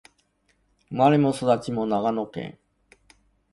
生まれも育ちも長野県